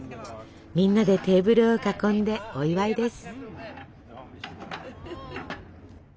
みんなでテーブルを囲んでお祝いです。